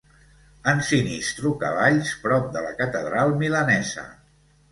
Ensinistro cavalls prop de la catedral milanesa.